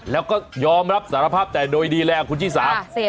แล้วก็ยอมรับสารภัพธ์แต่โดยดีแรงคุณชี่สาม